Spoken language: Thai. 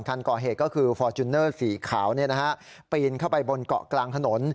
คันก่อเหตุก็คือฟอร์จูเนอร์สีขาวปีนเข้าไปบนเกาะกลางถนน